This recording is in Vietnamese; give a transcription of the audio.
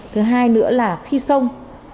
thứ hai nữa là khi sông